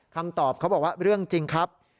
คำตอบเขาบอกว่าเรื่องจริงครับ